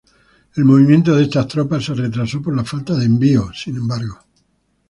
El movimiento de estas tropas se retrasó por la falta de envío, sin embargo.